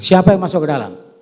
siapa yang masuk ke dalam